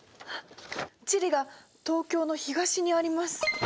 チリが東京の東にあります！